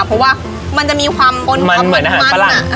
เพราะว่ามันจะมีความมันเหมือนอาหารฝรั่ง